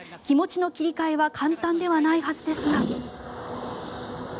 気持ちの切り替えは簡単ではないはずですが。